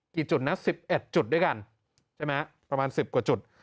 กี่จุดนะ๑๑จุดด้วยกันใช่ไหมประมาณ๑๐กว่าจุด